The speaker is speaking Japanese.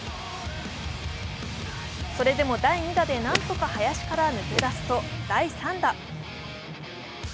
それでも第２打でなんとか林から抜け出すと、第３打。